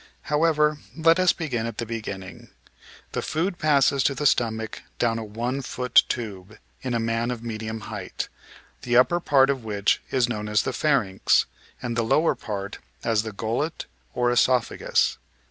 However, let us begin at the beginning. The food passes to the stomach down a one foot tube (in a man of medium height), the upper part of which is known as the pharynx, and the lower part as the gullet or cesophagus.